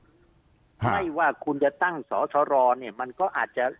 ทุกเรื่องไม่ว่าคุณจะตั้งสรเนี่ยมันก็อาจจะ